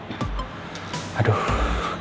masalah dina sama bu nawang